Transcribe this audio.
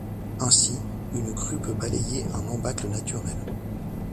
Ainsi, une crue peut balayer un embâcle naturel.